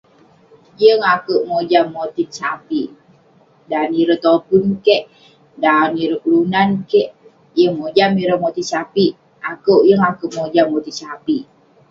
Yeng akouk mojam motit sapik, dan ireh topun keik, dan ireh kelunan keik, yeng mojam ireh motit sapik..akouk yeng akouk mojam motit sapik